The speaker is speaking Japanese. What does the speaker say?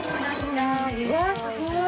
すごい。